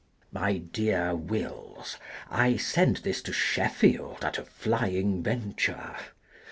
My Dear Wills :— I send this to Sheffield at a flying venture.